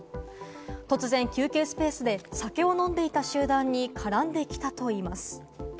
突然、休憩スペースで酒を飲んでいた集団に絡んできたといいます。